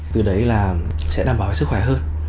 từ đấy là sẽ đảm bảo sức khỏe hơn